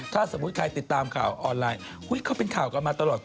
ถ้าสมมุติใครติดตามข่าวออนไลน์เขาเป็นข่าวกันมาตลอด